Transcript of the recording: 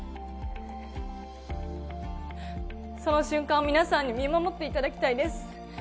その瞬間を皆さんに見守っていただきたいです。